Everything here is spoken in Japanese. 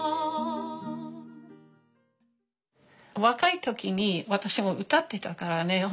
若い時に私も歌ってたからね。